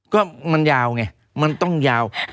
ก็มันยาวไงมันต้องยาว